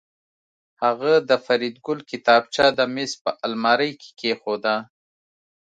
هغه د فریدګل کتابچه د میز په المارۍ کې کېښوده